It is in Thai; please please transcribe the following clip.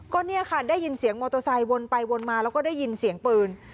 ก็เนี่ยค่ะได้ยินเสียงมอเตอร์ไซค์วนไปวนมาแล้วก็ได้ยินเสียงปืน